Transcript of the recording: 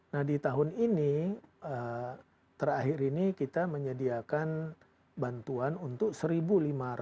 nah di tahun ini terakhir ini kita menyediakan bantuan untuk seribu lirik